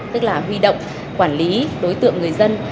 tức là huy động quản lý đối tượng người dân